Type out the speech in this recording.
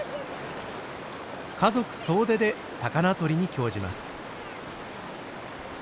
家族総出で魚取りに興じます。